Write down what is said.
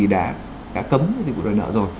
đã cấm dịch vụ đòi nợ rồi